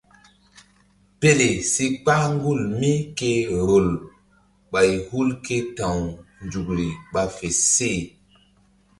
Pele si kpah gul mí ke vbol bay hul ké ta̧w nzukri ɓa fe se.